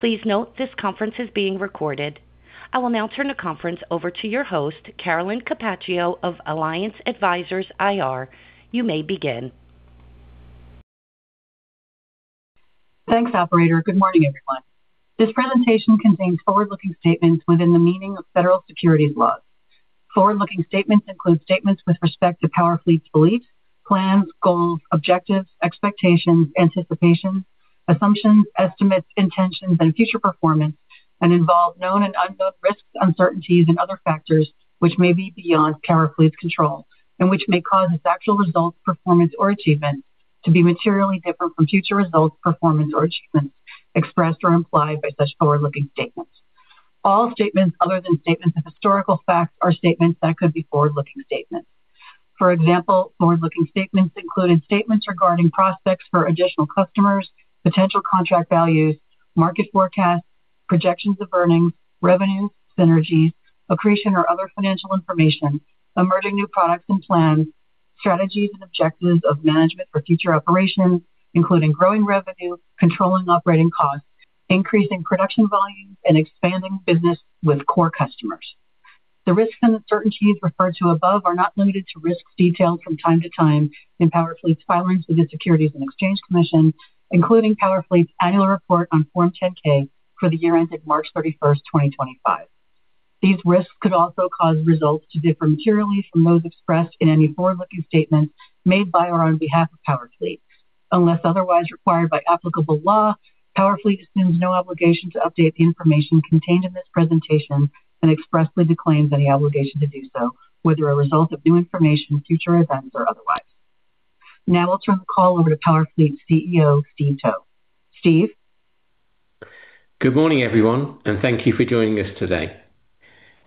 Please note this conference is being recorded. I will now turn the conference over to your host, Carolyn Capaccio of Alliance Advisors IR. You may begin. Thanks, operator. Good morning, everyone. This presentation contains forward-looking statements within the meaning of federal securities laws. Forward-looking statements include statements with respect to Powerfleet's beliefs, plans, goals, objectives, expectations, anticipations, assumptions, estimates, intentions, and future performance, and involve known and unknown risks, uncertainties, and other factors which may be beyond Powerfleet's control and which may cause its actual results, performance, or achievements to be materially different from future results, performance, or achievements expressed or implied by such forward-looking statements. All statements other than statements of historical facts are statements that could be forward-looking statements. For example, forward-looking statements included statements regarding prospects for additional customers, potential contract values, market forecasts, projections of earnings, revenues, synergies, accretion, or other financial information, emerging new products and plans, strategies and objectives of management for future operations, including growing revenue, controlling operating costs, increasing production volumes, and expanding business with core customers. The risks and uncertainties referred to above are not limited to risks detailed from time to time in Powerfleet's filings with the Securities and Exchange Commission, including Powerfleet's annual report on Form 10-K for the year ended March 31st, 2025. These risks could also cause results to differ materially from those expressed in any forward-looking statements made by or on behalf of Powerfleet. Unless otherwise required by applicable law, Powerfleet assumes no obligation to update the information contained in this presentation and expressly declaims any obligation to do so, whether a result of new information, future events, or otherwise. Now I'll turn the call over to Powerfleet CEO Steve Towe. Steve. Good morning, everyone, and thank you for joining us today.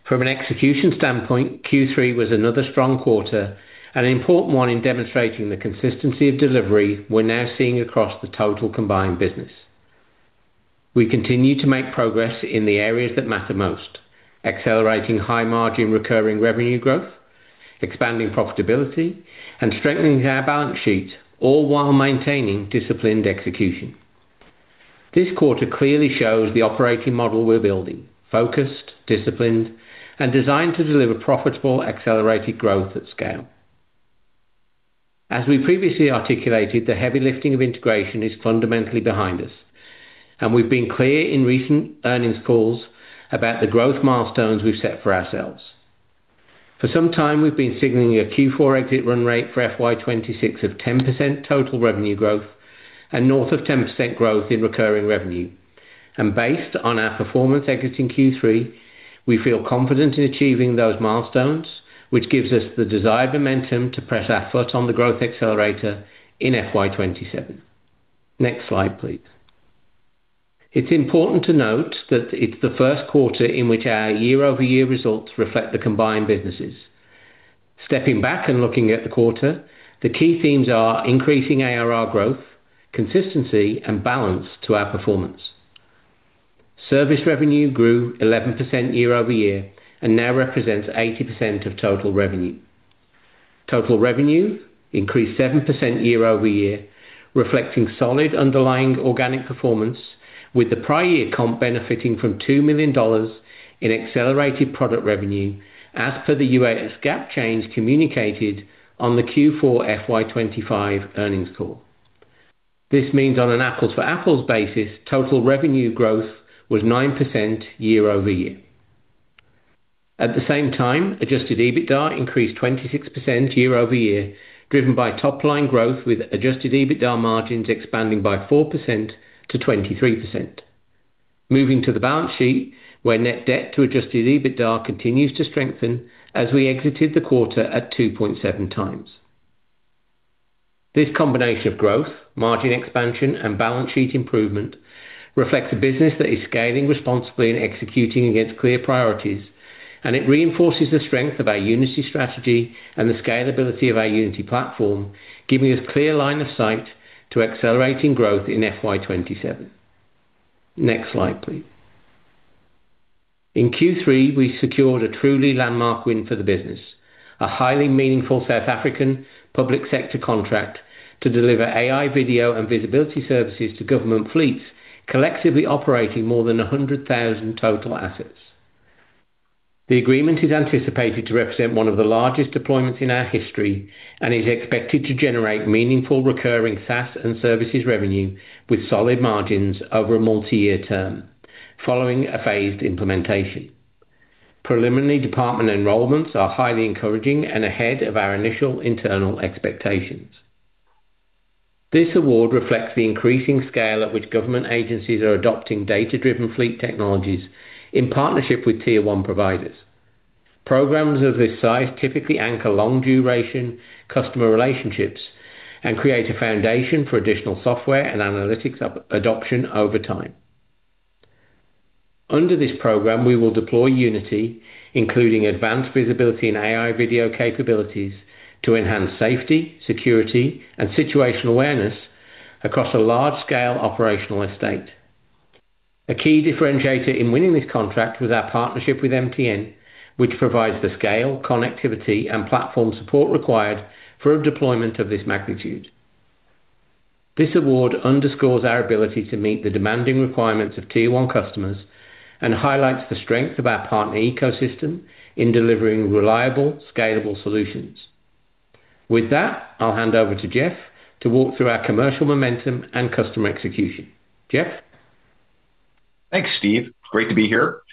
From an execution standpoint, Q3 was another strong quarter and an important one in demonstrating the consistency of delivery we're now seeing across the total combined business. We continue to make progress in the areas that matter most, accelerating high-margin recurring revenue growth, expanding profitability, and strengthening our balance sheet, all while maintaining disciplined execution. This quarter clearly shows the operating model we're building: focused, disciplined, and designed to deliver profitable, accelerated growth at scale. As we previously articulated, the heavy lifting of integration is fundamentally behind us, and we've been clear in recent earnings calls about the growth milestones we've set for ourselves. For some time, we've been signaling a Q4 exit run rate for FY26 of 10% total revenue growth and north of 10% growth in recurring revenue. Based on our performance exiting Q3, we feel confident in achieving those milestones, which gives us the desired momentum to press our foot on the growth accelerator in FY27. Next slide, please. It's important to note that it's the first quarter in which our year-over-year results reflect the combined businesses. Stepping back and looking at the quarter, the key themes are increasing ARR growth, consistency, and balance to our performance. Service revenue grew 11% year-over-year and now represents 80% of total revenue. Total revenue increased 7% year-over-year, reflecting solid underlying organic performance, with the prior year comp benefiting from $2 million in accelerated product revenue as per the US GAAP change communicated on the Q4 FY25 earnings call. This means on an apples-to-apples basis, total revenue growth was 9% year-over-year. At the same time, Adjusted EBITDA increased 26% year-over-year, driven by top-line growth with Adjusted EBITDA margins expanding by 4% to 23%. Moving to the balance sheet, where net debt to Adjusted EBITDA continues to strengthen as we exited the quarter at 2.7 times. This combination of growth, margin expansion, and balance sheet improvement reflects a business that is scaling responsibly and executing against clear priorities, and it reinforces the strength of our Unity strategy and the scalability of our Unity platform, giving us a clear line of sight to accelerating growth in FY27. Next slide, please. In Q3, we secured a truly landmark win for the business: a highly meaningful South African public sector contract to deliver AI video and visibility services to government fleets collectively operating more than 100,000 total assets. The agreement is anticipated to represent one of the largest deployments in our history and is expected to generate meaningful recurring SaaS and services revenue with solid margins over a multi-year term, following a phased implementation. Preliminary department enrollments are highly encouraging and ahead of our initial internal expectations. This award reflects the increasing scale at which government agencies are adopting data-driven fleet technologies in partnership with Tier 1 providers. Programs of this size typically anchor long-duration customer relationships and create a foundation for additional software and analytics adoption over time. Under this program, we will deploy Unity, including advanced visibility and AI video capabilities, to enhance safety, security, and situational awareness across a large-scale operational estate. A key differentiator in winning this contract was our partnership with MTN, which provides the scale, connectivity, and platform support required for a deployment of this magnitude. This award underscores our ability to meet the demanding requirements of Tier 1 customers and highlights the strength of our partner ecosystem in delivering reliable, scalable solutions. With that, I'll hand over to Jeff to walk through our commercial momentum and customer execution. Jeff. Thanks, Steve. Great to be here.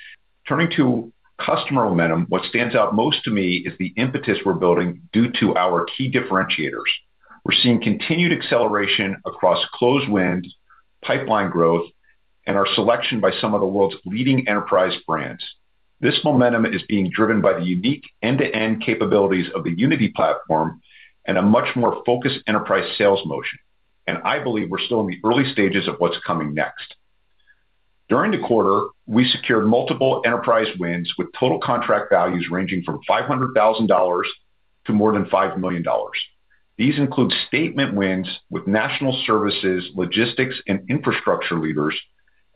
Turning to customer momentum, what stands out most to me is the impetus we're building due to our key differentiators. We're seeing continued acceleration across closed wins, pipeline growth, and our selection by some of the world's leading enterprise brands. This momentum is being driven by the unique end-to-end capabilities of the Unity platform and a much more focused enterprise sales motion. And I believe we're still in the early stages of what's coming next. During the quarter, we secured multiple enterprise wins with total contract values ranging from $500,000 to more than $5 million. These include strategic wins with national services, logistics, and infrastructure leaders,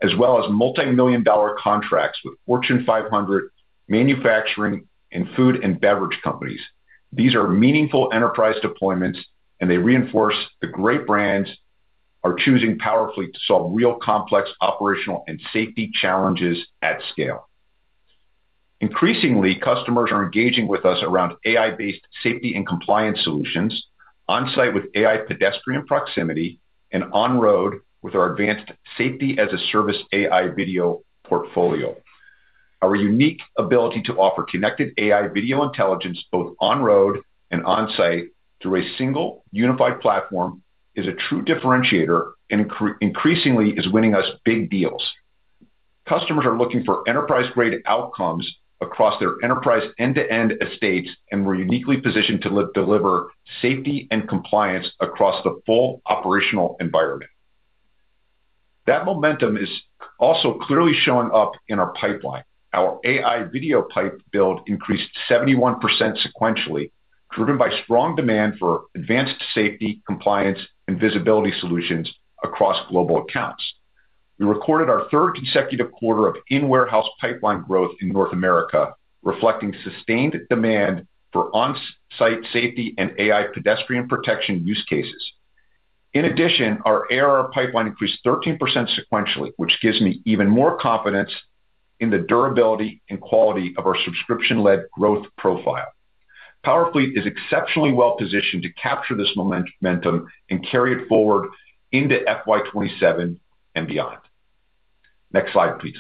as well as multimillion-dollar contracts with Fortune 500 manufacturing and food and beverage companies. These are meaningful enterprise deployments, and they reinforce that great brands are choosing Powerfleet to solve real complex operational and safety challenges at scale. Increasingly, customers are engaging with us around AI-based safety and compliance solutions, on-site with AI pedestrian proximity, and on-road with our advanced Safety-as-a-Service AI video portfolio. Our unique ability to offer connected AI video intelligence both on-road and on-site through a single unified platform is a true differentiator and increasingly is winning us big deals. Customers are looking for enterprise-grade outcomes across their enterprise end-to-end estates and we're uniquely positioned to deliver safety and compliance across the full operational environment. That momentum is also clearly showing up in our pipeline. Our AI video pipeline build increased 71% sequentially, driven by strong demand for advanced safety, compliance, and visibility solutions across global accounts. We recorded our third consecutive quarter of in-warehouse pipeline growth in North America, reflecting sustained demand for on-site safety and AI pedestrian protection use cases. In addition, our ARR pipeline increased 13% sequentially, which gives me even more confidence in the durability and quality of our subscription-led growth profile. Powerfleet is exceptionally well positioned to capture this momentum and carry it forward into FY27 and beyond. Next slide, please.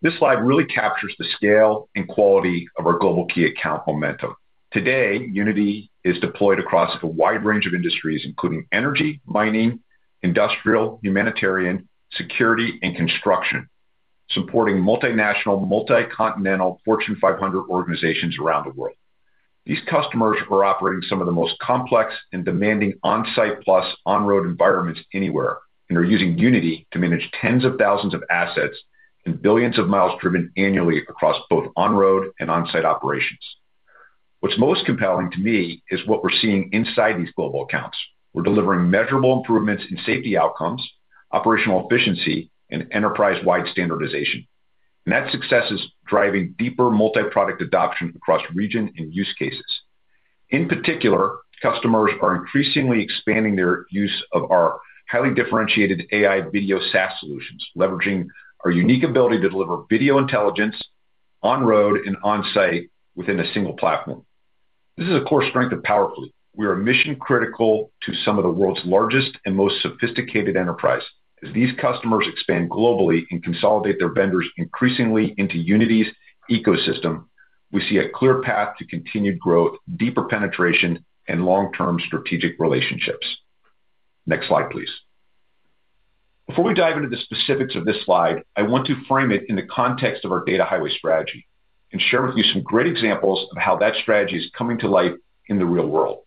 This slide really captures the scale and quality of our global key account momentum. Today, Unity is deployed across a wide range of industries, including energy, mining, industrial, humanitarian, security, and construction, supporting multinational, multicontinental Fortune 500 organizations around the world. These customers are operating some of the most complex and demanding on-site plus on-road environments anywhere and are using Unity to manage tens of thousands of assets and billions of miles driven annually across both on-road and on-site operations. What's most compelling to me is what we're seeing inside these global accounts. We're delivering measurable improvements in safety outcomes, operational efficiency, and enterprise-wide standardization. That success is driving deeper multi-product adoption across region and use cases. In particular, customers are increasingly expanding their use of our highly differentiated AI video SaaS solutions, leveraging our unique ability to deliver video intelligence on-road and on-site within a single platform. This is a core strength of Powerfleet. We are mission-critical to some of the world's largest and most sophisticated enterprises. As these customers expand globally and consolidate their vendors increasingly into Unity's ecosystem, we see a clear path to continued growth, deeper penetration, and long-term strategic relationships. Next slide, please. Before we dive into the specifics of this slide, I want to frame it in the context of our Data Highway strategy and share with you some great examples of how that strategy is coming to life in the real world.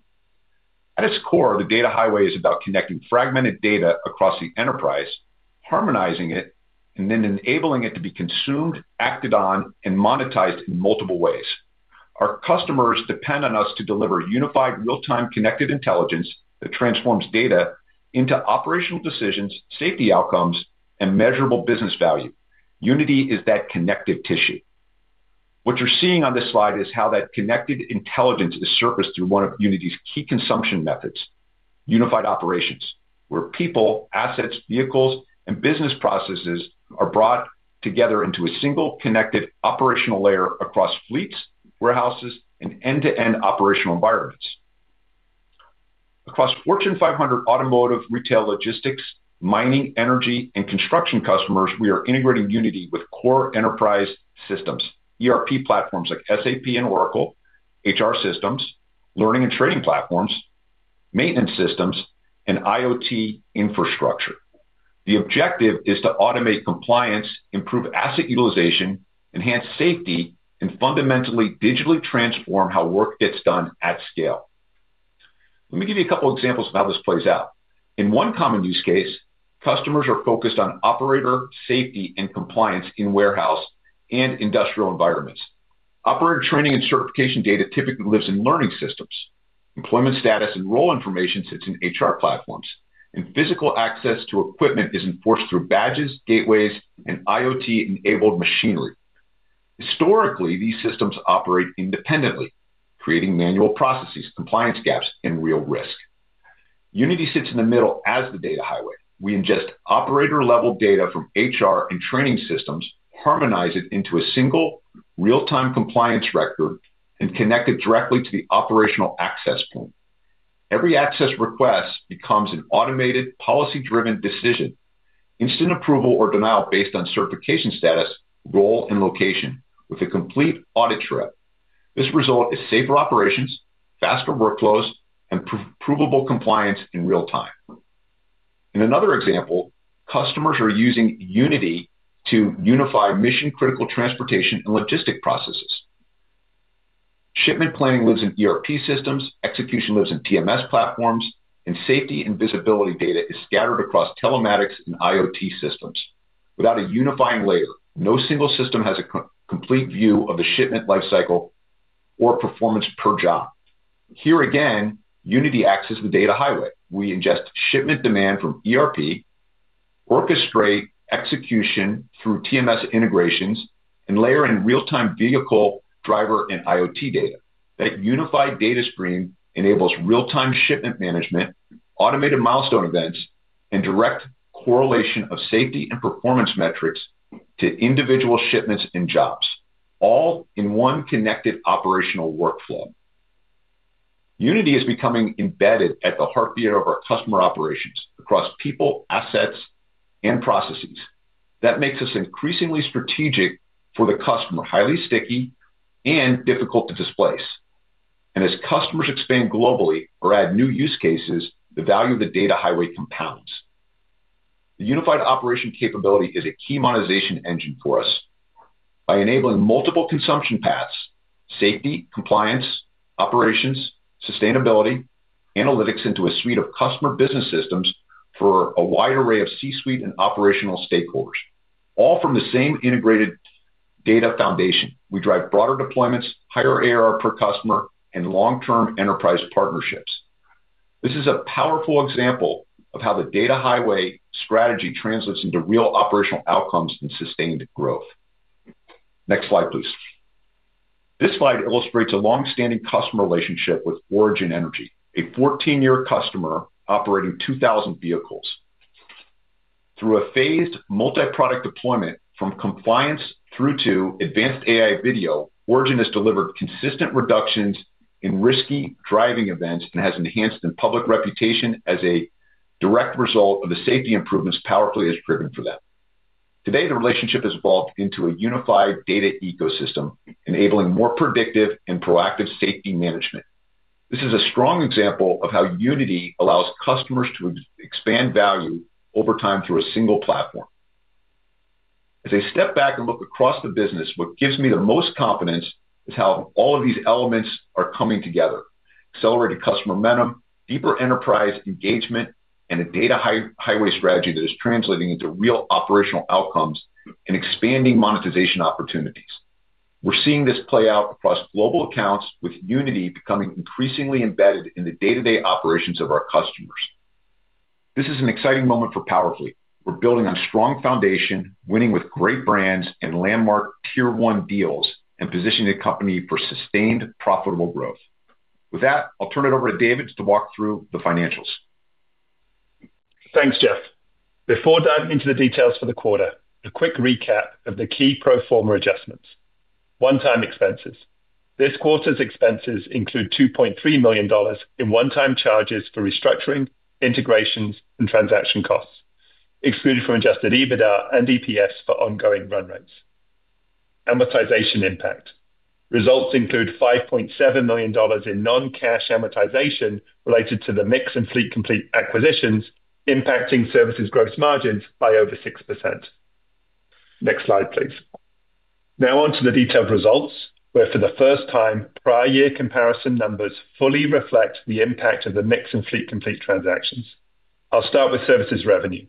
At its core, the Data Highway is about connecting fragmented data across the enterprise, harmonizing it, and then enabling it to be consumed, acted on, and monetized in multiple ways. Our customers depend on us to deliver unified real-time connected intelligence that transforms data into operational decisions, safety outcomes, and measurable business value. Unity is that connective tissue. What you're seeing on this slide is how that connected intelligence is surfaced through one of Unity's key consumption methods: unified operations, where people, assets, vehicles, and business processes are brought together into a single connected operational layer across fleets, warehouses, and end-to-end operational environments. Across Fortune 500 automotive, retail, logistics, mining, energy, and construction customers, we are integrating Unity with core enterprise systems, ERP platforms like SAP and Oracle, HR systems, learning and training platforms, maintenance systems, and IoT infrastructure. The objective is to automate compliance, improve asset utilization, enhance safety, and fundamentally digitally transform how work gets done at scale. Let me give you a couple of examples of how this plays out. In one common use case, customers are focused on operator safety and compliance in warehouse and industrial environments. Operator training and certification data typically lives in learning systems. Employment status and role information sits in HR platforms, and physical access to equipment is enforced through badges, gateways, and IoT-enabled machinery. Historically, these systems operate independently, creating manual processes, compliance gaps, and real risk. Unity sits in the middle as the Data Highway. We ingest operator-level data from HR and training systems, harmonize it into a single real-time compliance record, and connect it directly to the operational access point. Every access request becomes an automated policy-driven decision, instant approval or denial based on certification status, role, and location, with a complete audit trail. This result is safer operations, faster workflows, and provable compliance in real time. In another example, customers are using Unity to unify mission-critical transportation and logistic processes. Shipment planning lives in ERP systems, execution lives in TMS platforms, and safety and visibility data is scattered across telematics and IoT systems. Without a unifying layer, no single system has a complete view of the shipment lifecycle or performance per job. Here again, Unity acts as the Data Highway. We ingest shipment demand from ERP, orchestrate execution through TMS integrations, and layer in real-time vehicle, driver, and IoT data. That unified data stream enables real-time shipment management, automated milestone events, and direct correlation of safety and performance metrics to individual shipments and jobs, all in one connected operational workflow. Unity is becoming embedded at the heartbeat of our customer operations across people, assets, and processes. That makes us increasingly strategic for the customer, highly sticky and difficult to displace. And as customers expand globally or add new use cases, the value of the Data Highway compounds. The unified operation capability is a key monetization engine for us by enabling multiple consumption paths: safety, compliance, operations, sustainability, analytics into a suite of customer business systems for a wide array of C-suite and operational stakeholders, all from the same integrated data foundation. We drive broader deployments, higher ARR per customer, and long-term enterprise partnerships. This is a powerful example of how the Data Highway strategy translates into real operational outcomes and sustained growth. Next slide, please. This slide illustrates a longstanding customer relationship with Origin Energy, a 14-year customer operating 2,000 vehicles. Through a phased multi-product deployment from compliance through to advanced AI video, Origin has delivered consistent reductions in risky driving events and has enhanced their public reputation as a direct result of the safety improvements Powerfleet has driven for them. Today, the relationship has evolved into a unified data ecosystem, enabling more predictive and proactive safety management. This is a strong example of how Unity allows customers to expand value over time through a single platform. As I step back and look across the business, what gives me the most confidence is how all of these elements are coming together: accelerated customer momentum, deeper enterprise engagement, and a Data Highway strategy that is translating into real operational outcomes and expanding monetization opportunities. We're seeing this play out across global accounts, with Unity becoming increasingly embedded in the day-to-day operations of our customers. This is an exciting moment for Powerfleet. We're building on strong foundation, winning with great brands and landmark Tier 1 deals, and positioning the company for sustained profitable growth. With that, I'll turn it over to David to walk through the financials. Thanks, Jeff. Before diving into the details for the quarter, a quick recap of the key pro forma adjustments: one-time expenses. This quarter's expenses include $2.3 million in one-time charges for restructuring, integrations, and transaction costs, excluded from Adjusted EBITDA and EPS for ongoing run rates. Amortization impact: results include $5.7 million in non-cash amortization related to the MiX and Fleet Complete acquisitions, impacting services gross margins by over 6%. Next slide, please. Now onto the detailed results, where for the first time, prior year comparison numbers fully reflect the impact of the MiX and Fleet Complete transactions. I'll start with services revenue.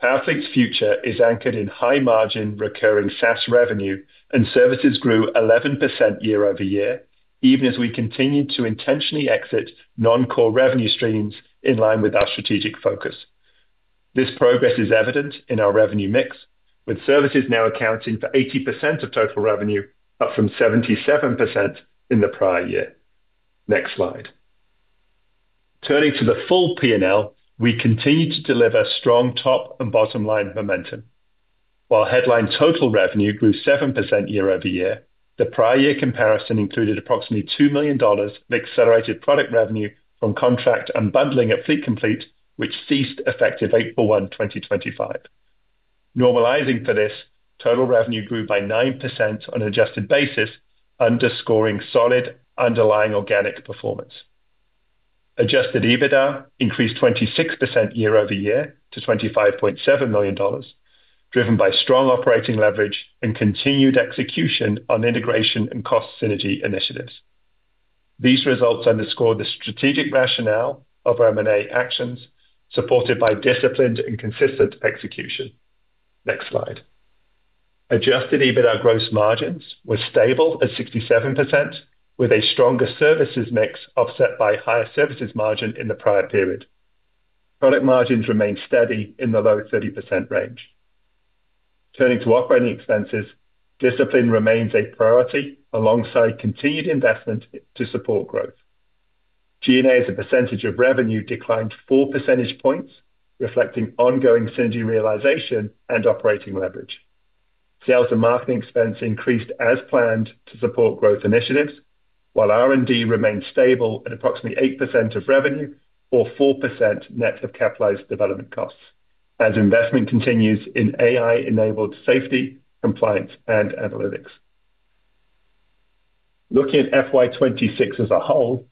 Powerfleet's future is anchored in high-margin recurring SaaS revenue, and services grew 11% year-over-year, even as we continue to intentionally exit non-core revenue streams in line with our strategic focus. This progress is evident in our revenue mix, with services now accounting for 80% of total revenue, up from 77% in the prior year. Next slide. Turning to the full P&L, we continue to deliver strong top and bottom line momentum. While headline total revenue grew 7% year over year, the prior year comparison included approximately $2 million of accelerated product revenue from contract unbundling at Fleet Complete, which ceased effective April 1, 2025. Normalizing for this, total revenue grew by 9% on an adjusted basis, underscoring solid underlying organic performance. Adjusted EBITDA increased 26% year over year to $25.7 million, driven by strong operating leverage and continued execution on integration and cost synergy initiatives. These results underscore the strategic rationale of our M&A actions, supported by disciplined and consistent execution. Next slide. Adjusted EBITDA gross margins were stable at 67%, with a stronger services MiX offset by higher services margin in the prior period. Product margins remained steady in the low 30% range. Turning to operating expenses, discipline remains a priority alongside continued investment to support growth. G&A's percentage of revenue declined 4 percentage points, reflecting ongoing synergy realization and operating leverage. Sales and marketing expense increased as planned to support growth initiatives, while R&D remained stable at approximately 8% of revenue or 4% net of capitalized development costs as investment continues in AI-enabled safety, compliance, and analytics. Looking at FY26 as a whole,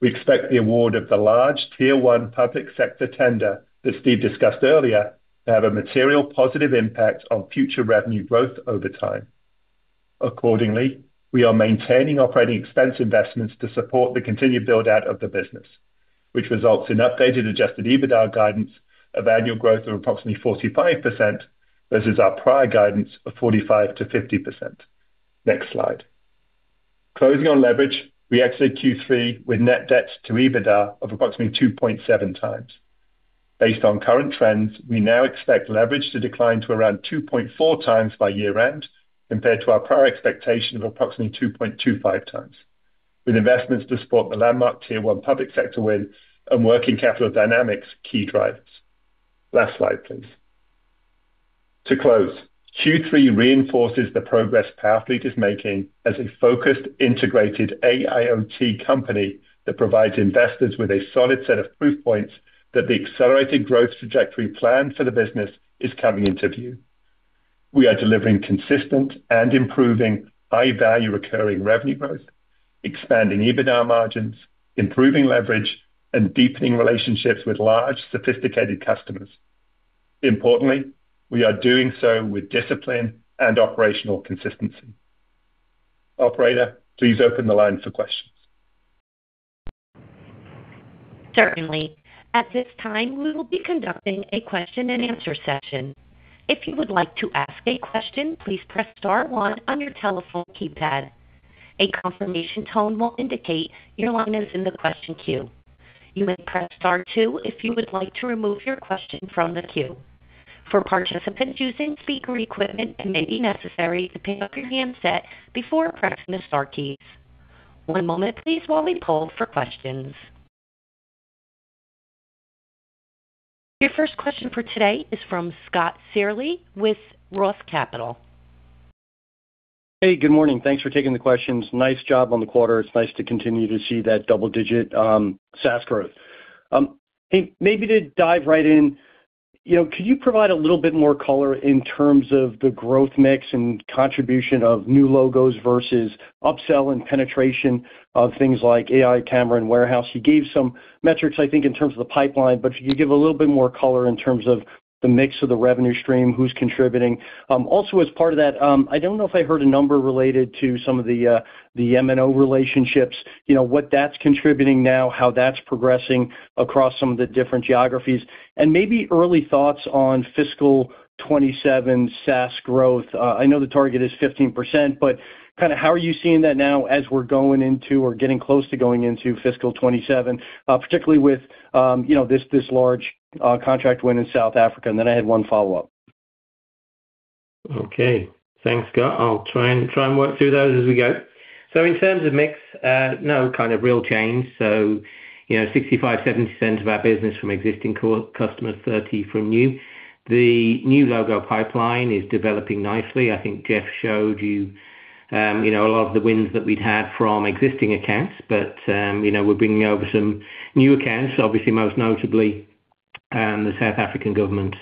we expect the award of the large Tier 1 public sector tender that Steve discussed earlier to have a material positive impact on future revenue growth over time. Accordingly, we are maintaining operating expense investments to support the continued build-out of the business, which results in updated Adjusted EBITDA guidance of annual growth of approximately 45% versus our prior guidance of 45%-50%. Next slide. Closing on leverage, we exit Q3 with net debt to EBITDA of approximately 2.7x. Based on current trends, we now expect leverage to decline to around 2.4x by year-end compared to our prior expectation of approximately 2.25x, with investments to support the landmark Tier 1 public sector win and working capital dynamics key drivers. Last slide, please. To close, Q3 reinforces the progress Powerfleet is making as a focused, integrated AIoT company that provides investors with a solid set of proof points that the accelerated growth trajectory planned for the business is coming into view. We are delivering consistent and improving high-value recurring revenue growth, expanding EBITDA margins, improving leverage, and deepening relationships with large, sophisticated customers. Importantly, we are doing so with discipline and operational consistency. Operator, please open the line for questions. Certainly. At this time, we will be conducting a question and answer session. If you would like to ask a question, please press star one on your telephone keypad. A confirmation tone will indicate your line is in the question queue. You may press star two if you would like to remove your question from the queue. For participants using speaker equipment, it may be necessary to pick up your handset before pressing the star keys. One moment, please, while we pull for questions. Your first question for today is from Scott Searle with Roth Capital. Hey, good morning. Thanks for taking the questions. Nice job on the quarter. It's nice to continue to see that double-digit SaaS growth. Hey, maybe to dive right in, could you provide a little bit more color in terms of the growth mix and contribution of new logos versus upsell and penetration of things like AI camera and warehouse? You gave some metrics, I think, in terms of the pipeline. But could you give a little bit more color in terms of the MiX of the revenue stream, who's contributing? Also, as part of that, I don't know if I heard a number related to some of the M&O relationships, what that's contributing now, how that's progressing across some of the different geographies. And maybe early thoughts on fiscal 2027 SaaS growth. I know the target is 15%, but kind of how are you seeing that now as we're going into or getting close to going into fiscal 2027, particularly with this large contract win in South Africa? And then I had one follow-up. Okay. Thanks, Scott. I'll try and work through those as we go. So in terms of Mix, no kind of real change. So 65%-70% of our business from existing customers, 30% from new. The new logo pipeline is developing nicely. I think Jeff showed you a lot of the wins that we'd had from existing accounts. But we're bringing over some new accounts, obviously most notably the South African government,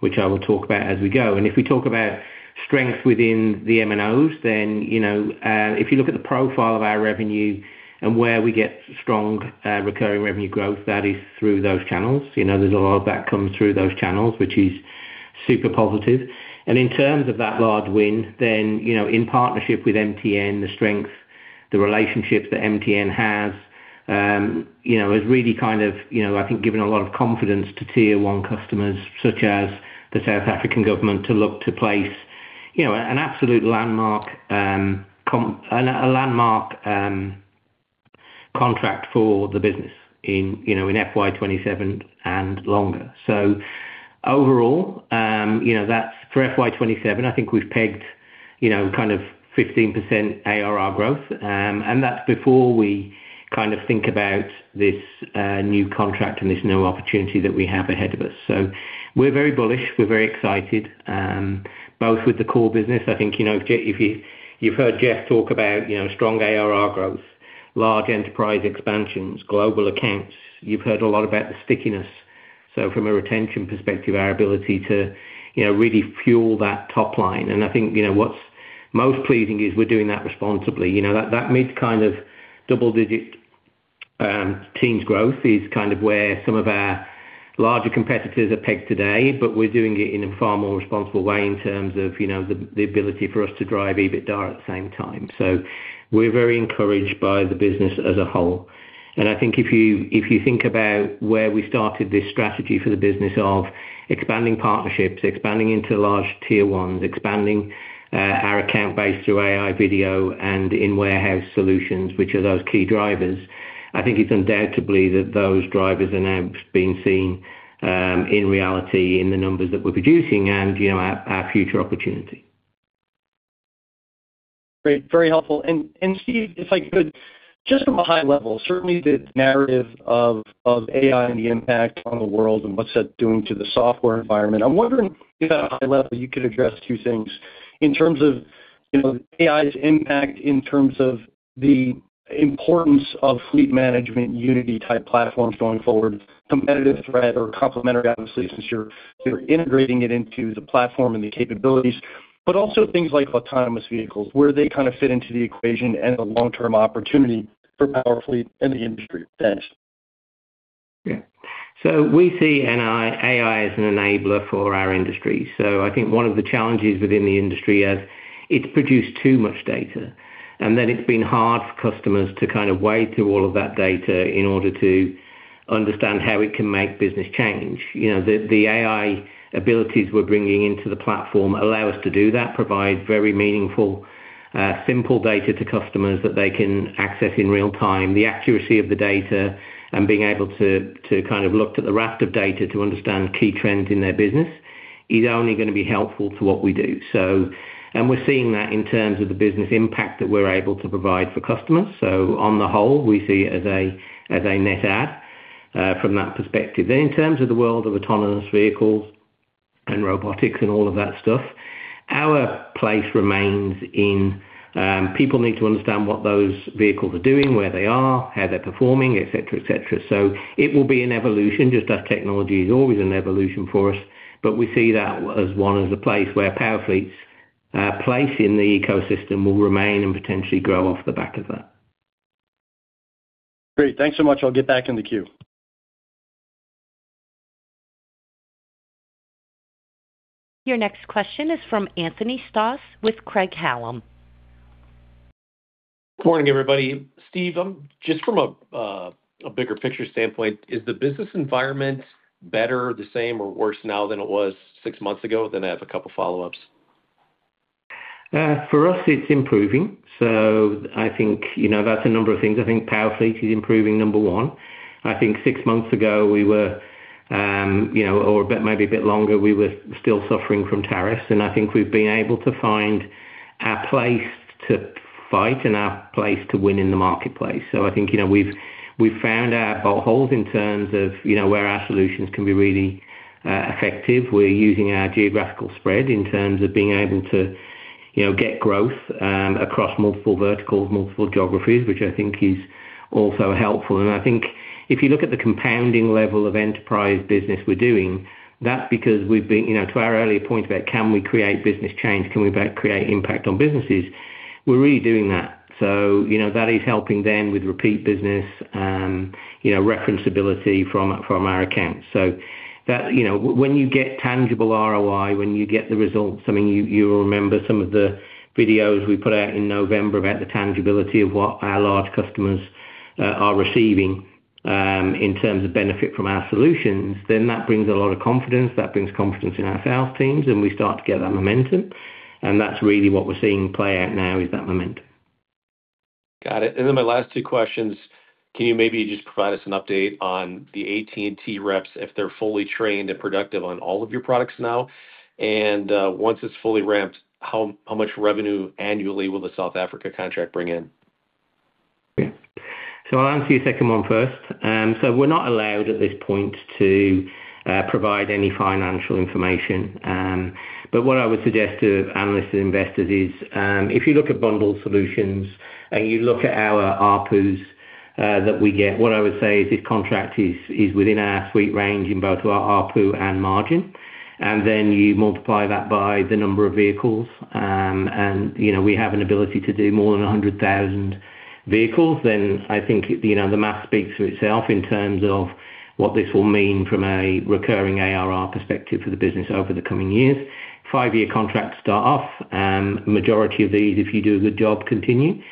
which I will talk about as we go. And if we talk about strength within the M&Os, then if you look at the profile of our revenue and where we get strong recurring revenue growth, that is through those channels. There's a lot of that comes through those channels, which is super positive. In terms of that large win, then in partnership with MTN, the strength, the relationships that MTN has really kind of, I think, given a lot of confidence to Tier 1 customers such as the South African government to look to place an absolute landmark contract for the business in FY27 and longer. So overall, for FY27, I think we've pegged kind of 15% ARR growth. And that's before we kind of think about this new contract and this new opportunity that we have ahead of us. So we're very bullish. We're very excited, both with the core business. I think if you've heard Jeff talk about strong ARR growth, large enterprise expansions, global accounts, you've heard a lot about the stickiness. So from a retention perspective, our ability to really fuel that top line. And I think what's most pleasing is we're doing that responsibly. That mid kind of double-digit teens growth is kind of where some of our larger competitors are pegged today. But we're doing it in a far more responsible way in terms of the ability for us to drive EBITDA at the same time. So we're very encouraged by the business as a whole. And I think if you think about where we started this strategy for the business of expanding partnerships, expanding into large tier ones, expanding our account base through AI video and in-warehouse solutions, which are those key drivers, I think it's undoubtedly that those drivers are now being seen in reality in the numbers that we're producing and our future opportunity. Great. Very helpful. Steve, if I could, just from a high level, certainly the narrative of AI and the impact on the world and what's that doing to the software environment, I'm wondering if at a high level you could address two things in terms of AI's impact in terms of the importance of fleet management Unity-type platforms going forward, competitive threat or complementary, obviously, since you're integrating it into the platform and the capabilities, but also things like autonomous vehicles, where they kind of fit into the equation and the long-term opportunity for Powerfleet and the industry? Thanks. Yeah. So we see AI as an enabler for our industry. So I think one of the challenges within the industry is it's produced too much data. And then it's been hard for customers to kind of weigh through all of that data in order to understand how it can make business change. The AI abilities we're bringing into the platform allow us to do that, provide very meaningful, simple data to customers that they can access in real time. The accuracy of the data and being able to kind of look at the raft of data to understand key trends in their business is only going to be helpful to what we do. And we're seeing that in terms of the business impact that we're able to provide for customers. So on the whole, we see it as a net add from that perspective. Then in terms of the world of autonomous vehicles and robotics and all of that stuff, our place remains in people need to understand what those vehicles are doing, where they are, how they're performing, etc., etc. So it will be an evolution, just as technology is always an evolution for us. But we see that as one as a place where Powerfleet's place in the ecosystem will remain and potentially grow off the back of that. Great. Thanks so much. I'll get back in the queue. Your next question is from Anthony Stoss with Craig-Hallum. Good morning, everybody. Steve, just from a bigger picture standpoint, is the business environment better, the same, or worse now than it was six months ago? Then I have a couple of follow-ups. For us, it's improving. So I think that's a number of things. I think Powerfleet is improving, number one. I think six months ago we were or maybe a bit longer, we were still suffering from tariffs. And I think we've been able to find our place to fight and our place to win in the marketplace. So I think we've found our bolt holes in terms of where our solutions can be really effective. We're using our geographical spread in terms of being able to get growth across multiple verticals, multiple geographies, which I think is also helpful. And I think if you look at the compounding level of enterprise business we're doing, that's because we've been to our earlier point about can we create business change? Can we create impact on businesses? We're really doing that. So that is helping then with repeat business, referenceability from our accounts. So when you get tangible ROI, when you get the results, I mean, you'll remember some of the videos we put out in November about the tangibility of what our large customers are receiving in terms of benefit from our solutions, then that brings a lot of confidence. That brings confidence in our sales teams. And we start to get that momentum. And that's really what we're seeing play out now is that momentum. Got it. And then my last two questions, can you maybe just provide us an update on the AT&T reps if they're fully trained and productive on all of your products now? And once it's fully ramped, how much revenue annually will the South Africa contract bring in? Okay. So I'll answer your second one first. So we're not allowed at this point to provide any financial information. But what I would suggest to analysts and investors is if you look at bundled solutions and you look at our ARPUs that we get, what I would say is this contract is within our suite range in both our ARPU and margin. And then you multiply that by the number of vehicles. And we have an ability to do more than 100,000 vehicles. Then I think the math speaks for itself in terms of what this will mean from a recurring ARR perspective for the business over the coming years. Five-year contracts start off. Majority of these, if you do a good job, continue.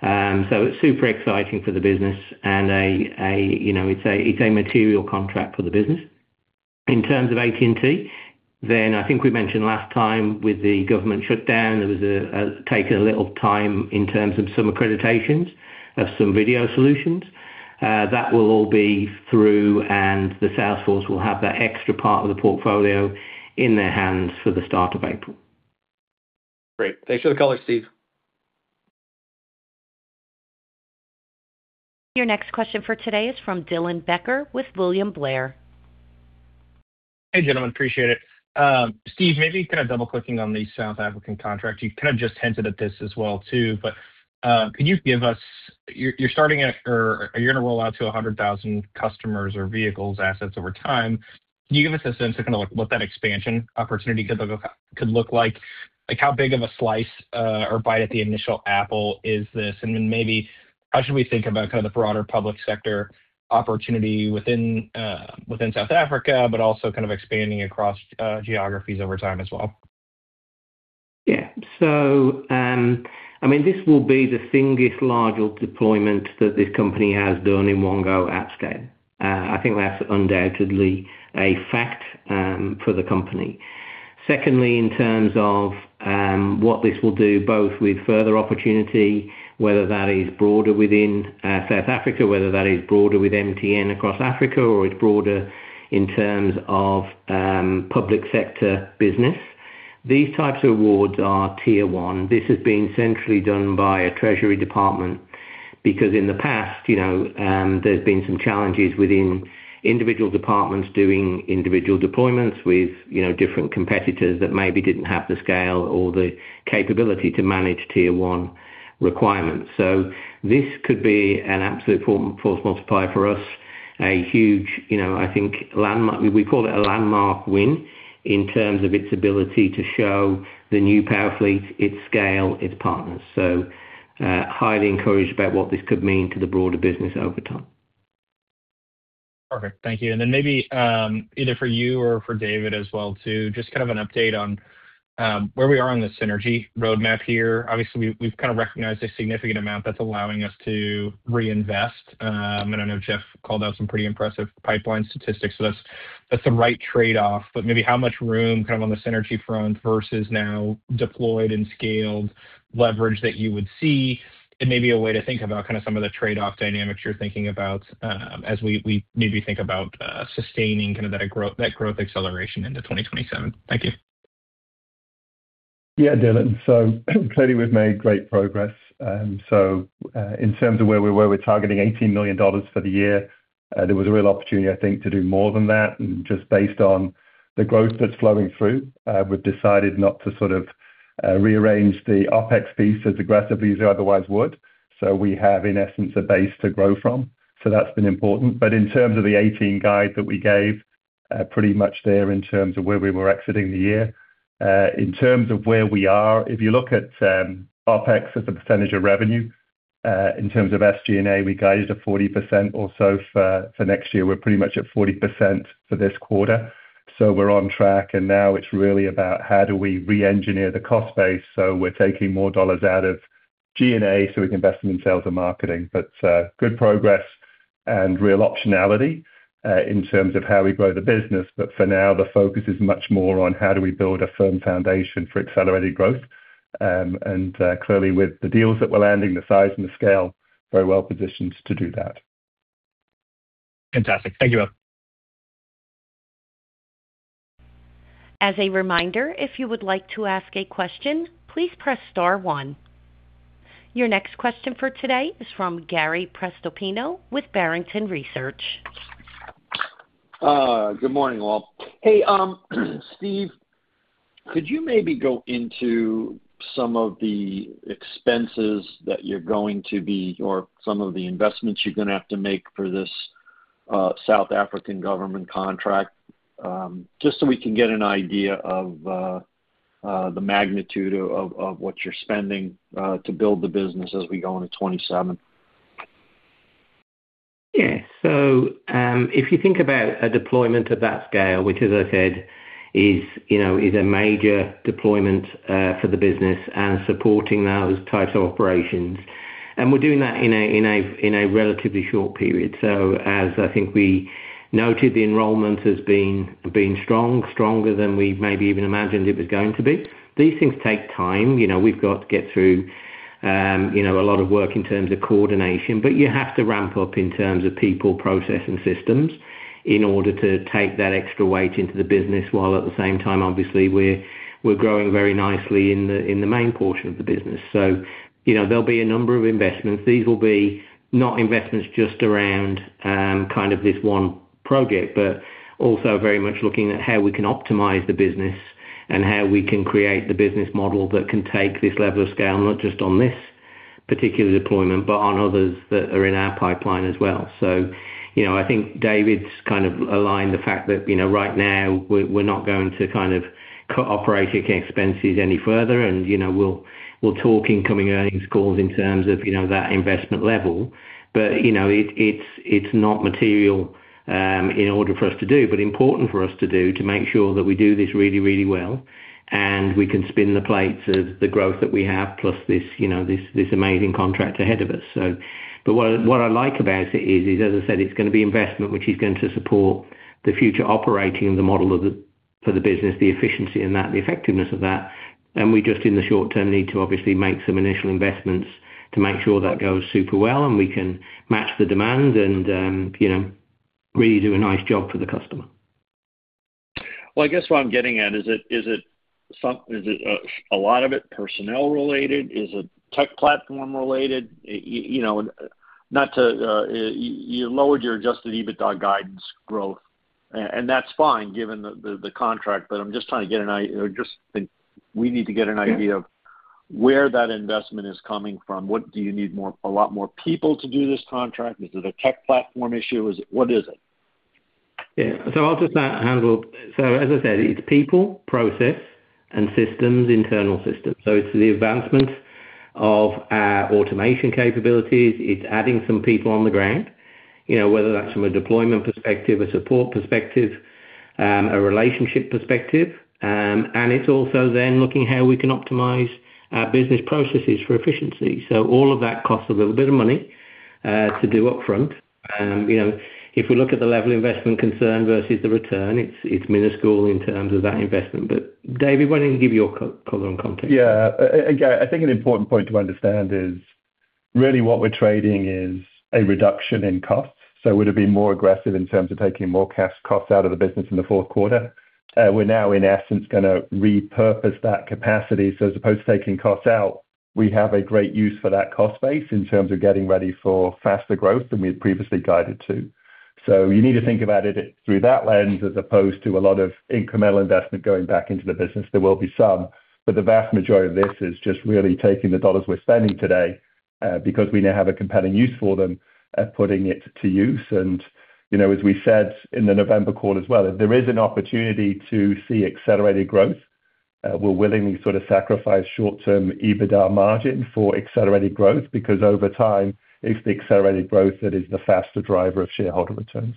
So it's super exciting for the business. And it's a material contract for the business. In terms of AT&T, then I think we mentioned last time with the government shutdown, there was taken a little time in terms of some accreditations of some video solutions. That will all be through. The sales force will have that extra part of the portfolio in their hands for the start of April. Great. Thanks for the color, Steve. Your next question for today is from Dylan Becker with William Blair. Hey, gentlemen. Appreciate it. Steve, maybe kind of double-clicking on the South African contract. You kind of just hinted at this as well, too. But could you give us you're starting at or you're going to roll out to 100,000 customers or vehicles, assets over time. Can you give us a sense of kind of what that expansion opportunity could look like? How big of a slice or bite at the initial apple is this? And then maybe how should we think about kind of the broader public sector opportunity within South Africa, but also kind of expanding across geographies over time as well? Yeah. So I mean, this will be the single largest deployment that this company has done in one go at scale. I think that's undoubtedly a fact for the company. Secondly, in terms of what this will do, both with further opportunity, whether that is broader within South Africa, whether that is broader with MTN across Africa, or it's broader in terms of public sector business, these types of awards are Tier 1. This has been centrally done by a treasury department because in the past, there's been some challenges within individual departments doing individual deployments with different competitors that maybe didn't have the scale or the capability to manage Tier 1 requirements. So this could be an absolute force multiplier for us, a huge, I think, landmark we call it a landmark win in terms of its ability to show the new Powerfleet, its scale, its partners. So highly encouraged about what this could mean to the broader business over time. Perfect. Thank you. And then maybe either for you or for David as well, too, just kind of an update on where we are on the synergy roadmap here. Obviously, we've kind of recognized a significant amount that's allowing us to reinvest. And I know Jeff called out some pretty impressive pipeline statistics. So that's the right trade-off. But maybe how much room kind of on the synergy front versus now deployed and scaled leverage that you would see? And maybe a way to think about kind of some of the trade-off dynamics you're thinking about as we maybe think about sustaining kind of that growth acceleration into 2027. Thank you. Yeah, Dylan. So clearly, we've made great progress. So in terms of where we're targeting, $18 million for the year, there was a real opportunity, I think, to do more than that. And just based on the growth that's flowing through, we've decided not to sort of rearrange the OpEx piece as aggressively as we otherwise would. So we have, in essence, a base to grow from. So that's been important. But in terms of the 18 guide that we gave, pretty much there in terms of where we were exiting the year. In terms of where we are, if you look at OpEx as a percentage of revenue, in terms of SG&A, we guided at 40% or so for next year. We're pretty much at 40% for this quarter. So we're on track. And now it's really about how do we re-engineer the cost base? So we're taking more dollars out of G&A so we can invest them in sales and marketing. But good progress and real optionality in terms of how we grow the business. But for now, the focus is much more on how do we build a firm foundation for accelerated growth? And clearly, with the deals that we're landing, the size and the scale, very well positioned to do that. Fantastic. Thank you both. As a reminder, if you would like to ask a question, please press star one. Your next question for today is from Gary Prestopino with Barrington Research. Good morning, all. Hey, Steve, could you maybe go into some of the expenses that you're going to be or some of the investments you're going to have to make for this South African government contract, just so we can get an idea of the magnitude of what you're spending to build the business as we go into 2027? Yeah. So if you think about a deployment of that scale, which, as I said, is a major deployment for the business and supporting those types of operations. We're doing that in a relatively short period. As I think we noted, the enrollment has been strong, stronger than we maybe even imagined it was going to be. These things take time. We've got to get through a lot of work in terms of coordination. But you have to ramp up in terms of people, process, and systems in order to take that extra weight into the business while at the same time, obviously, we're growing very nicely in the main portion of the business. So there'll be a number of investments. These will not be investments just around kind of this one project, but also very much looking at how we can optimize the business and how we can create the business model that can take this level of scale, not just on this particular deployment, but on others that are in our pipeline as well. I think David's kind of aligned the fact that right now, we're not going to kind of OpEx any further. We'll talk in coming earnings calls in terms of that investment level. It's not material in order for us to do, but important for us to do to make sure that we do this really, really well and we can spin the plates of the growth that we have plus this amazing contract ahead of us. But what I like about it is, as I said, it's going to be investment, which is going to support the future operating of the model for the business, the efficiency in that, the effectiveness of that. And we just, in the short term, need to obviously make some initial investments to make sure that goes super well and we can match the demand and really do a nice job for the customer. Well, I guess what I'm getting at, is it a lot of it personnel-related? Is it tech platform-related? Not that you lowered your Adjusted EBITDA guidance growth. And that's fine given the contract. But I'm just trying to get an—I just think we need to get an idea of where that investment is coming from. Do you need a lot more people to do this contract? Is it a tech platform issue? What is it? Yeah. So I'll just handle so as I said, it's people, process, and systems, internal systems. So it's the advancement of our automation capabilities. It's adding some people on the ground, whether that's from a deployment perspective, a support perspective, a relationship perspective. And it's also then looking at how we can optimize our business processes for efficiency. So all of that costs a little bit of money to do upfront. If we look at the level of investment concern versus the return, it's minuscule in terms of that investment. But David, why don't you give your color and context? Yeah. I think an important point to understand is really what we're trading is a reduction in costs. So would it be more aggressive in terms of taking more costs out of the business in the fourth quarter? We're now, in essence, going to repurpose that capacity. So as opposed to taking costs out, we have a great use for that cost base in terms of getting ready for faster growth than we had previously guided to. So you need to think about it through that lens as opposed to a lot of incremental investment going back into the business. There will be some. But the vast majority of this is just really taking the dollars we're spending today because we now have a compelling use for them, putting it to use. As we said in the November call as well, if there is an opportunity to see accelerated growth, we'll willingly sort of sacrifice short-term EBITDA margin for accelerated growth because over time, it's the accelerated growth that is the faster driver of shareholder returns.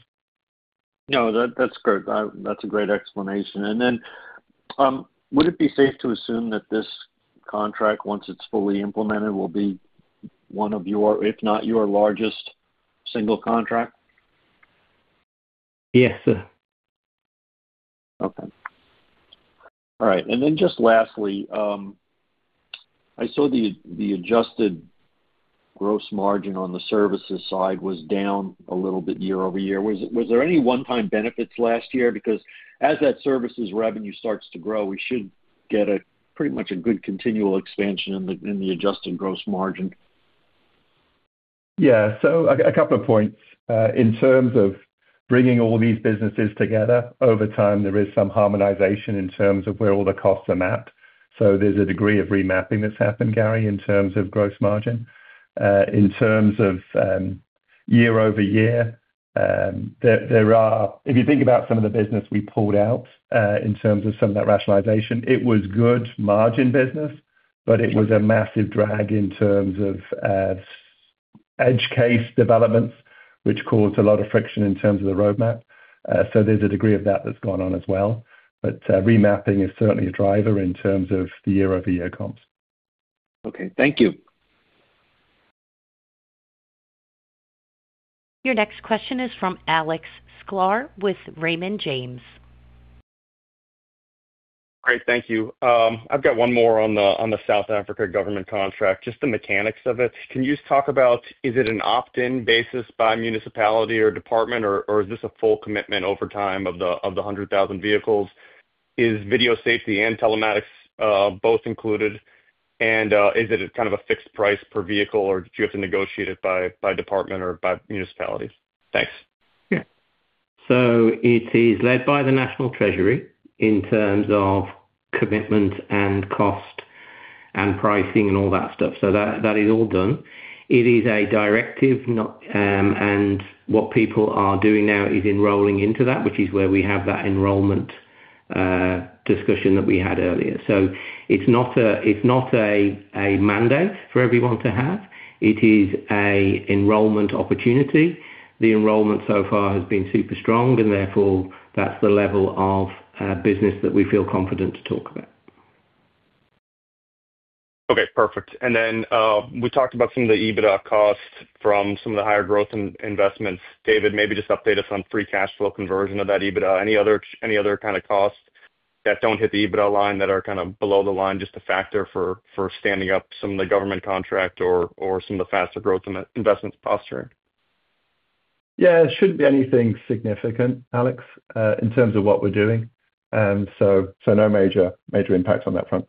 No, that's great. That's a great explanation. And then would it be safe to assume that this contract, once it's fully implemented, will be one of your, if not your largest, single contract? Yes, sir. Okay. All right. Then, just lastly, I saw the adjusted gross margin on the services side was down a little bit year-over-year. Was there any one-time benefits last year? Because as that services revenue starts to grow, we should get pretty much a good continual expansion in the adjusted gross margin. Yeah. So a couple of points. In terms of bringing all these businesses together over time, there is some harmonization in terms of where all the costs are at. So there's a degree of remapping that's happened, Gary, in terms of gross margin. In terms of year-over-year, there are if you think about some of the business we pulled out in terms of some of that rationalization, it was good margin business, but it was a massive drag in terms of edge case developments, which caused a lot of friction in terms of the roadmap. So there's a degree of that that's gone on as well. But remapping is certainly a driver in terms of the year-over-year comps. Okay. Thank you. Your next question is from Alex Sklar with Raymond James. Great. Thank you. I've got one more on the South Africa government contract, just the mechanics of it. Can you just talk about is it an opt-in basis by municipality or department, or is this a full commitment over time of the 100,000 vehicles? Is video safety and telematics both included? And is it kind of a fixed price per vehicle, or do you have to negotiate it by department or by municipality? Thanks. Yeah. So it is led by the National Treasury in terms of commitment and cost and pricing and all that stuff. So that is all done. It is a directive. And what people are doing now is enrolling into that, which is where we have that enrollment discussion that we had earlier. So it's not a mandate for everyone to have. It is an enrollment opportunity. The enrollment so far has been super strong. And therefore, that's the level of business that we feel confident to talk about. Okay. Perfect. And then we talked about some of the EBITDA costs from some of the higher growth investments. David, maybe just update us on free cash flow conversion of that EBITDA. Any other kind of costs that don't hit the EBITDA line that are kind of below the line just to factor for standing up some of the government contract or some of the faster growth investments posturing? Yeah. It shouldn't be anything significant, Alex, in terms of what we're doing. So no major impact on that front.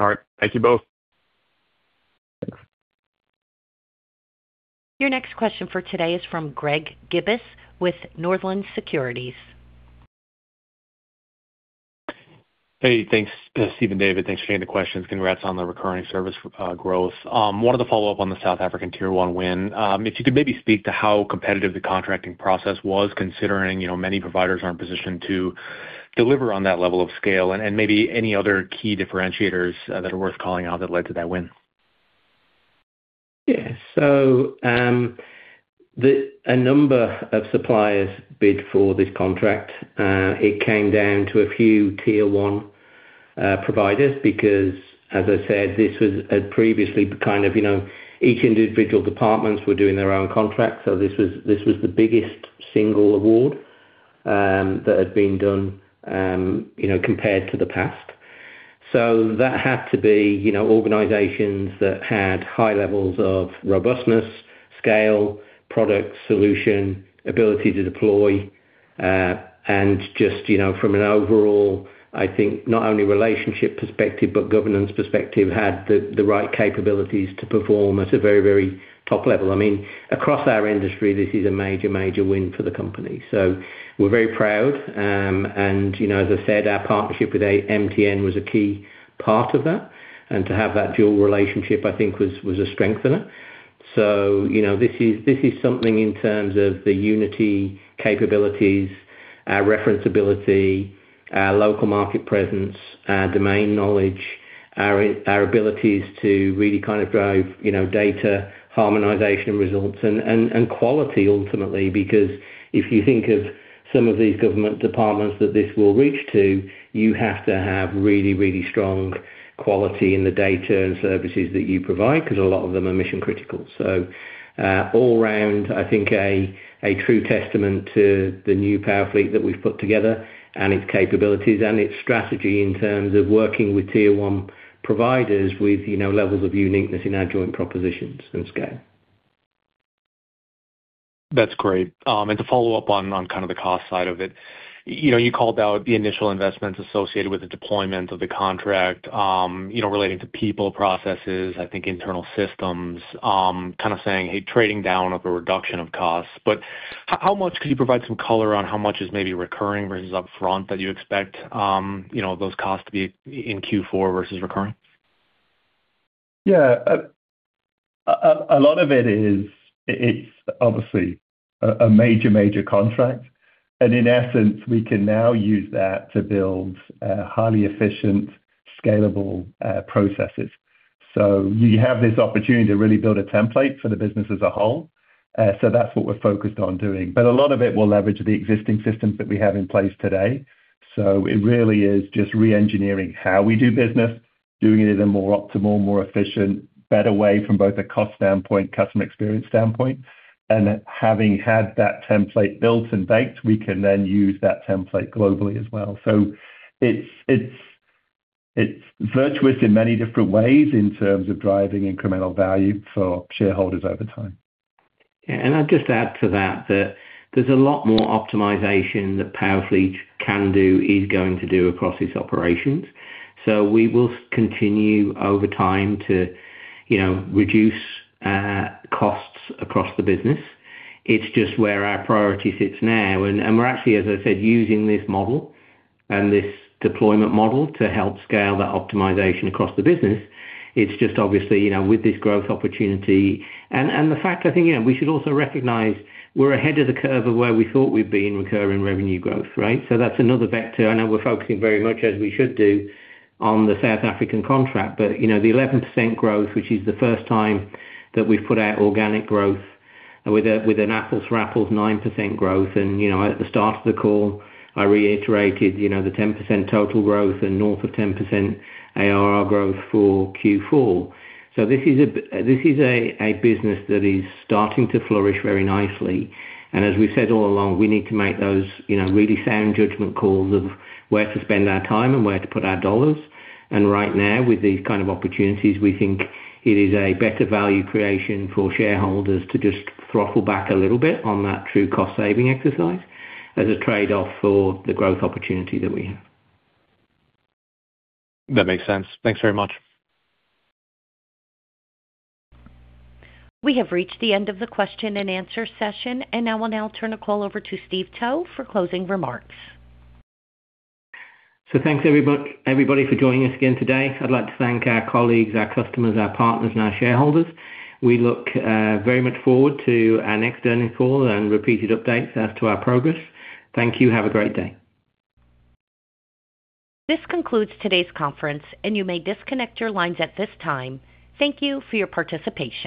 All right. Thank you both. Thanks. Your next question for today is from Greg Gibas with Northland Securities. Hey. Thanks, Steve and David. Thanks for taking the questions. Congrats on the recurring service growth. I wanted to follow up on the South African Tier 1 win. If you could maybe speak to how competitive the contracting process was, considering many providers aren't positioned to deliver on that level of scale, and maybe any other key differentiators that are worth calling out that led to that win. Yeah. So a number of suppliers bid for this contract. It came down to a few Tier 1 providers because, as I said, this was previously kind of each individual departments were doing their own contracts. So this was the biggest single award that had been done compared to the past. So that had to be organizations that had high levels of robustness, scale, product, solution, ability to deploy. And just from an overall, I think, not only relationship perspective, but governance perspective, had the right capabilities to perform at a very, very top level. I mean, across our industry, this is a major, major win for the company. So we're very proud. And as I said, our partnership with MTN was a key part of that. And to have that dual relationship, I think, was a strengthener. So this is something in terms of the Unity capabilities, our reference ability, our local market presence, our domain knowledge, our abilities to really kind of drive data, harmonization, results, and quality, ultimately. Because if you think of some of these government departments that this will reach to, you have to have really, really strong quality in the data and services that you provide because a lot of them are mission-critical. So all-round, I think, a true testament to the new Powerfleet that we've put together and its capabilities and its strategy in terms of working with Tier 1 providers with levels of uniqueness in our joint propositions and scale. That's great. And to follow up on kind of the cost side of it, you called out the initial investments associated with the deployment of the contract relating to people, processes, I think, internal systems, kind of saying, "Hey, trading down of a reduction of costs." But how much could you provide some color on how much is maybe recurring versus upfront that you expect those costs to be in Q4 versus recurring? Yeah. A lot of it is it's obviously a major, major contract. And in essence, we can now use that to build highly efficient, scalable processes. So you have this opportunity to really build a template for the business as a whole. So that's what we're focused on doing. But a lot of it will leverage the existing systems that we have in place today. So it really is just re-engineering how we do business, doing it in a more optimal, more efficient, better way from both a cost standpoint, customer experience standpoint. And having had that template built and baked, we can then use that template globally as well. So it's virtuous in many different ways in terms of driving incremental value for shareholders over time. Yeah. And I'd just add to that that there's a lot more optimization that Powerfleet can do, is going to do across its operations. So we will continue over time to reduce costs across the business. It's just where our priority sits now. And we're actually, as I said, using this model and this deployment model to help scale that optimization across the business. It's just obviously, with this growth opportunity and the fact, I think, we should also recognize we're ahead of the curve of where we thought we'd be in recurring revenue growth, right? So that's another vector. I know we're focusing very much, as we should do, on the South African contract. But the 11% growth, which is the first time that we've put out organic growth with an apples-to-apples 9% growth. At the start of the call, I reiterated the 10% total growth and north of 10% ARR growth for Q4. This is a business that is starting to flourish very nicely. As we've said all along, we need to make those really sound judgment calls of where to spend our time and where to put our dollars. Right now, with these kind of opportunities, we think it is a better value creation for shareholders to just throttle back a little bit on that true cost-saving exercise as a trade-off for the growth opportunity that we have. That makes sense. Thanks very much. We have reached the end of the question-and-answer session. I will now turn the call over to Steve Towe for closing remarks. So thanks, everybody, for joining us again today. I'd like to thank our colleagues, our customers, our partners, and our shareholders. We look very much forward to our next earnings call and repeated updates as to our progress. Thank you. Have a great day. This concludes today's conference. You may disconnect your lines at this time. Thank you for your participation.